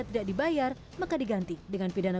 tidak dibayar maka diganti dengan pidana